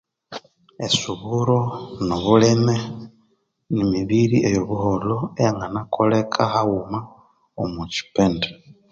Esuburo no bulime ni mibiri eyo buholho eyanganakoleka haghuma omo kyipindi